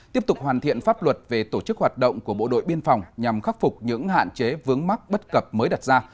tiếp tục hoàn thiện pháp luật về tổ chức hoạt động của bộ đội biên phòng nhằm khắc phục những hạn chế vướng mắc bất cập mới đặt ra